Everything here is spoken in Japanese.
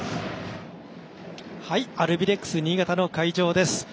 アルビレックス新潟の会場です。